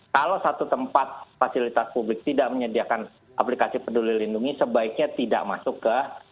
kalau satu tempat fasilitas publik tidak menyediakan aplikasi peduli lindungi sebaiknya tidak masuk ke